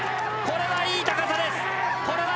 これはいい高さです。